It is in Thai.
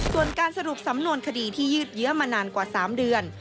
ส่วนการสรุปสำนวนคดีที่ยืดเยื้อมานานกว่า๓เดือน